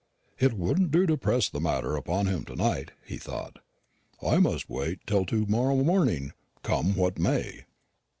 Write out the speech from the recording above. "It wouldn't do to press the matter upon him to night," he thought; "I must wait till to morrow morning, come what may."